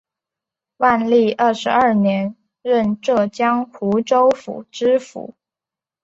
万历二十二年任浙江湖州府知府。